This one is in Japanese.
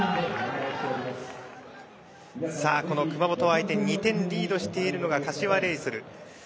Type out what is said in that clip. この熊本相手に２点リードしている柏レイソル。